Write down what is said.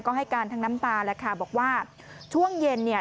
ก็ให้การทั้งน้ำตาแหละค่ะบอกว่าช่วงเย็นเนี่ย